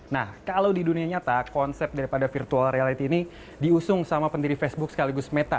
nah kalau di dunia nyata konsep daripada virtual reality ini diusung sama pendiri facebook sekaligus meta